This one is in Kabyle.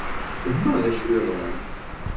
Wehmeɣ d acu yeḍran.